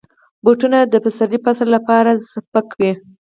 بوټونه د پسرلي فصل لپاره سپک وي.